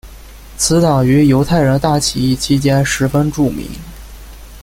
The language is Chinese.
此党于犹太人大起义期间十分著名。